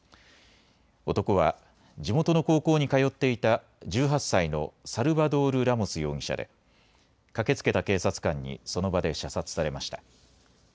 男は地元の高校に通っていた１８歳のサルバドール・ラモス容疑者で駆けつけた警察官にその場で射殺されました。